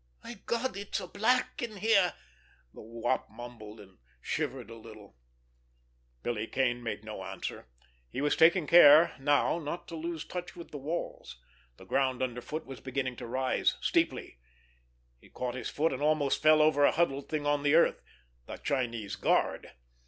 "My Gawd, it's—it's black in here!" the Wop mumbled, and shivered a little. Billy Kane made no answer. He was taking care now not to lose touch with the walls. The ground under foot was beginning to rise steeply. He caught his foot and almost fell over a huddled thing on the earth—the Chinese guard.